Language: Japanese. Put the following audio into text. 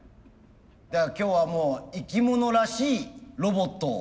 では今日はもう生き物らしいロボットを。